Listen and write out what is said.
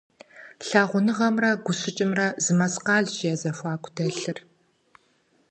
Лъагъуныгъэмрэ гущыкӏымрэ зы мэскъалщ я зэхуаку дэлъыр.